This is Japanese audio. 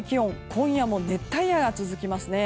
今夜も熱帯夜が続きますね。